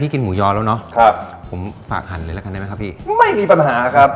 กินหมูยอแล้วเนอะครับผมฝากหั่นเลยละกันได้ไหมครับพี่ไม่มีปัญหาครับ